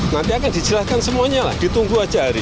nanti akan dijelaskan semuanya lah ditunggu aja hari